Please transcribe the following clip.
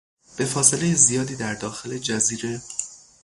به فاصلهی زیادی در داخل جزیره